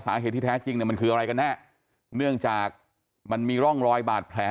สาเหตุที่แท้จริงเนี่ยมันคืออะไรกันแน่เนื่องจากมันมีร่องรอยบาดแผล